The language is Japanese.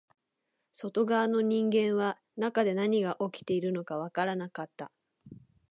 外側の人間は中で何が起きているのかわからなかった